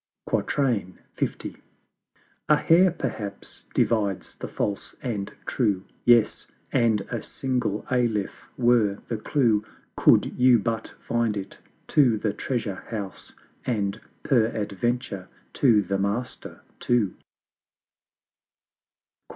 L. A Hair perhaps divides the False and True; Yes; and a single Alif were the clue Could you but find it to the Treasure house, And peradventure to THE MASTER too; LI.